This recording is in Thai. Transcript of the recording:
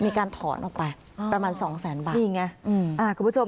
มีการถอนออกไปประมาณสองแสนบาทนี่ไงอืมอ่าคุณผู้ชม